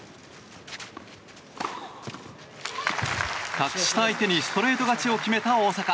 格下相手にストレート勝ちを決めた大坂。